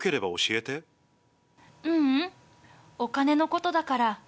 ううん、お金のことだから。